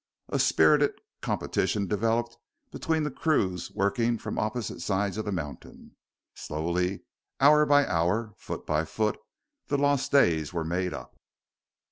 A spirited competition developed between the crews working from opposite sides of the mountain. Slowly, hour by hour, foot by foot, the lost days were made up.